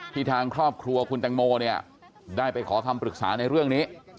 ทางครอบครัวคุณแตงโมเนี่ยได้ไปขอคำปรึกษาในเรื่องนี้